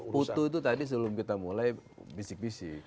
putu itu tadi sebelum kita mulai bisik bisik